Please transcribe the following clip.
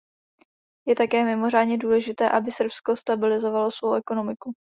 Je také mimořádně důležité, aby Srbsko stabilizovalo svou ekonomiku.